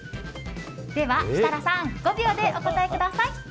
では設楽さん５秒でお答えください。